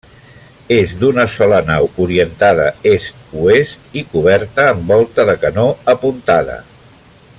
És d'una sola nau orientada est-oest i coberta amb volta de canó apuntada.